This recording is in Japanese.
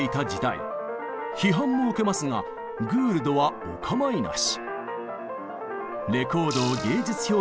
批判も受けますがグールドはお構いなし。